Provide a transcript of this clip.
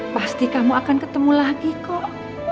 pasti kamu akan ketemu lagi kok